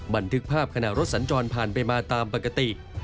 บันทึกภาพขณะรถสัญจรผ่านไปมาตามปกติ